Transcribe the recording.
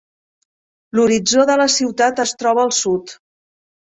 L'horitzó de la ciutat es troba al sud.